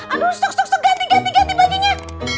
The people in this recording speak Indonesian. aduh stuk stuk stuk ganti ganti ganti bajunya